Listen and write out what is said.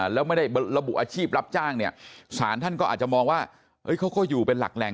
แล้วไม่ได้ระบุอาชีพรับจ้างเนี่ยสารท่านก็อาจจะมองว่าเขาก็อยู่เป็นหลักแหล่ง